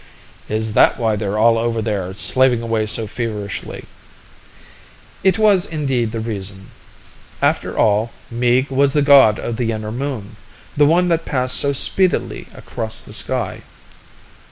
"Is that why they're all over there, slaving away so feverishly?" It was indeed the reason. After all, Meeg was the god of the inner moon, the one that passed so speedily across the sky.